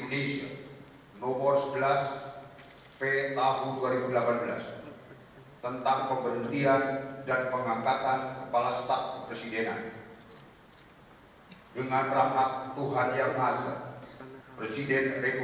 lalu kebangsaan indonesia baik